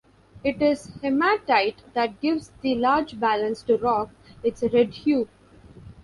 It is hematite that gives the large balanced rock its red hue.